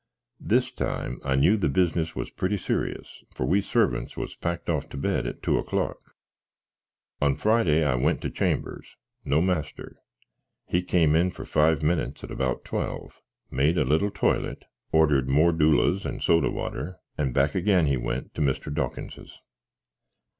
This time I knew the bisniss was pretty serious, for we suvvants was packed off to bed at 2 o'clock. On Friday, I went to chambers no master he kem in for 5 minutes at about 12, made a little toilit, ordered more dewles and soda water, and back again he went to Mr. Dawkins's.